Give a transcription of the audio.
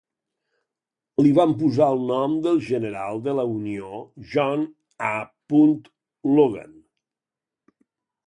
Li van posar el nom pel general de la Unió John A. Logan.